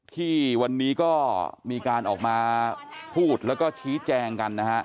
ที่วันนี้ก็มีการออกมาพูดแล้วก็ชี้แจงกันนะฮะ